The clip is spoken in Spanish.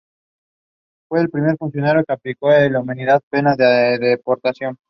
Fue el primer funcionario que aplicó la inhumana pena de deportación.